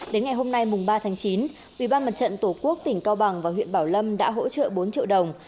đến ngày hôm nay mùng ba tháng chín ubnd tổ quốc tỉnh cao bằng và huyện bảo lâm đã hỗ trợ bốn triệu đồng